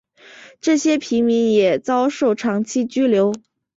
这些平民也遭受长期拘留。